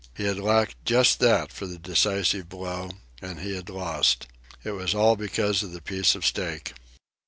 He had lacked just that for the decisive blow, and he had lost. It was all because of the piece of steak.